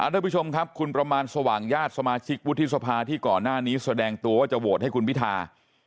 ทุกผู้ชมครับคุณประมาณสว่างญาติสมาชิกวุฒิสภาที่ก่อนหน้านี้แสดงตัวว่าจะโหวตให้คุณพิธา